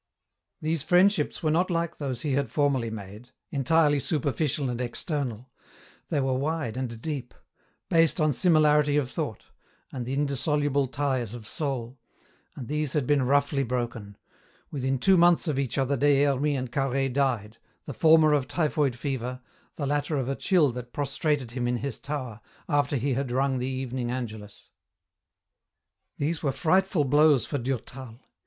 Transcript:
These friendships were not like those he had formerly made, entirely superficial and external, they were wide and deep, based on similarity of thought, and the indissoluble ties of soul, and these had been roughly broken ; within two months of each other Des Hermies and Carhaix died, the former of typhoid fever, the latter of a chill that pros EN ROUTE. 19 trated him in his tower, after he had rung the evening Angelus. These were frightful blows for Durtal.